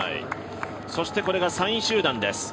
そしてこれが３位集団です。